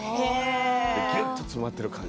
ぎゅっと詰まってる感じ